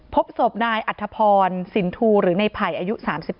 พบศพนายอัธพรสินทูหรือในไผ่อายุ๓๙